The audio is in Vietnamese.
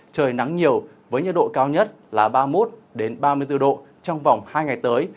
trời nắng nhiều với nhiệt độ cao nhất là ba mươi một ba mươi bốn độ trong vòng hai ngày tới